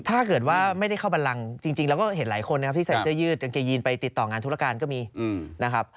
ถ้าเกิดว่าไม่ได้เข้าบันลังจริงเราก็เห็นหลายคนนะครับที่ใส่เสื้อยืดกางเกงยีนไปติดต่องานธุรการก็มีนะครับ